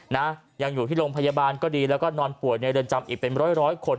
นะยังอยู่ที่โรงพยาบาลก็ดีแล้วก็นอนป่วยในเรือนจำอีกเป็นร้อยร้อยคน